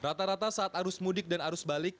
rata rata saat arus mudik dan arus balik